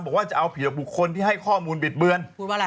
บอกว่าจะเอาผิดบุคคลที่ให้ข้อมูลบิดเบือน